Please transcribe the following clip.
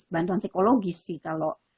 bantuan psikologis sih kalau